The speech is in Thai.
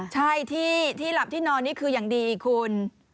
ใช่ที่หลับที่นอนนี่คืออย่างดีคุณ